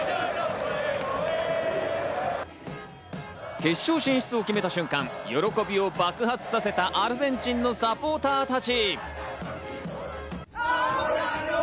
決勝進出を決めた瞬間、喜びを爆発させたアルゼンチンのサポーターたち。